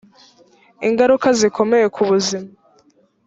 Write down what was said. ingaruka zikomeye ku buzima